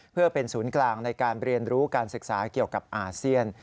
เพื่อเป็นศูนย์กลางในการเรียนรู้การศึกษาเกี่ยวกับอาเซียน